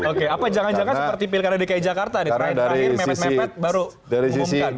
oke apa jangan jangan seperti pilkada dki jakarta nih terakhir mepet mepet baru umumkan